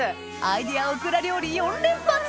・アイデアオクラ料理４連発！